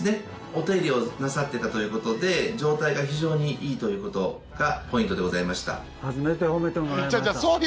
お手入れをなさってたということで状態が非常に良いということがポイントでございました。